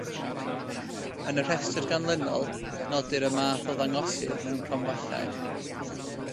Yn y rhestr ganlynol, nodir y math o ddangosydd mewn cromfachau.